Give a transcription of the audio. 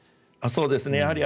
そうですね。